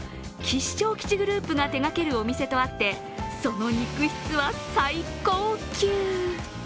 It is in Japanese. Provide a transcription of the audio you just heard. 吉グループが手がけるお店とあってその肉質は最高級。